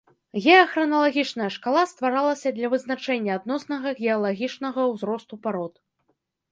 Геахраналагічная шкала стваралася для вызначэння адноснага геалагічнага ўзросту парод.